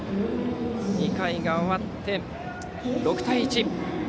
２回が終わって、６対１。